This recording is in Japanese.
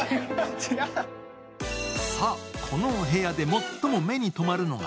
さあ、このお部屋で最も目に留まるのが